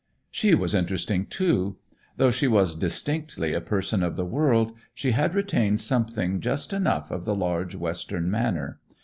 "She was interesting, too. Though she was distinctly a person of the world, she had retained something, just enough of the large Western manner.